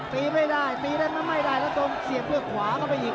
ตีไม่ได้ตีได้มันไม่ได้แล้วตรงเสียบด้วยขวาเข้าไปอีก